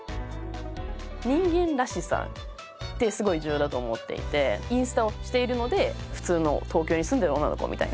人間らしさってすごい重要だと思っていてインスタをしているので普通の東京に住んでる女の子みたいな。